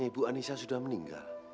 harusnya gak bergegasmu jengkak